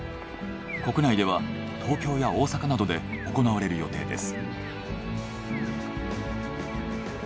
国内では東京や大阪などで行われる予定です。